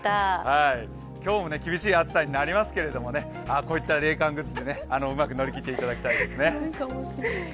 今日も厳しい暑さになりますけどね、こういった冷感グッズでうまく乗り切っていただきたいですね。